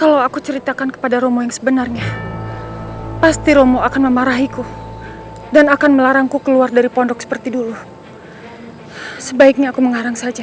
hai kalau aku ceritakan kepada romo yang sebenarnya pasti romo akan memarahiku dan akan melarangku keluar dari pondok seperti dulu sebaiknya aku mengarang saja